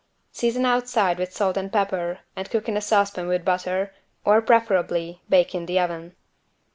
Season outside with salt and pepper and cook in a saucepan with butter, or preferably bake in the oven.